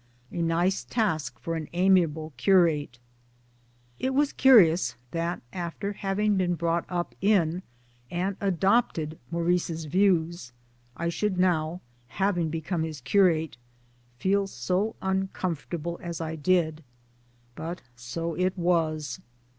A nice task' for an amiable curate I It was curious that after having been brought up in and adopted Maurice's views, I should now, having become his curate, feel so uncomfortable as I did. But so it was.